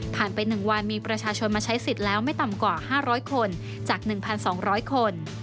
ไป๑วันมีประชาชนมาใช้สิทธิ์แล้วไม่ต่ำกว่า๕๐๐คนจาก๑๒๐๐คน